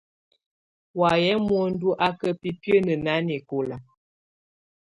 Wayɛ̀ muǝndù á ká biǝ́nǝ́ nanɛkɔ̀la.